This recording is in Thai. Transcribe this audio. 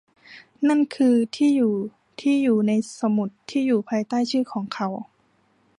นั่นคือที่อยู่ที่อยู่ในสมุดที่อยู่ภายใต้ชื่อของเขา